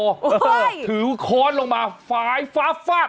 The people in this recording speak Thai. ถือค้อนลงมาฝ่ายฟ้าฟาด